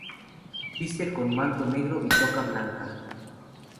Viste con manto negro y toca blanca.